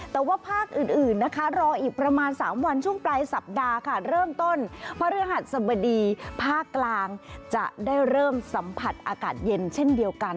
แต่ว่าภาคอื่นนะคะรออีกประมาณ๓วันช่วงปลายสัปดาห์ค่ะเริ่มต้นพระฤหัสสบดีภาคกลางจะได้เริ่มสัมผัสอากาศเย็นเช่นเดียวกัน